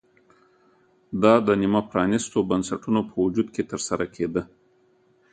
دا د نیمه پرانېستو بنسټونو په وجود کې ترسره کېده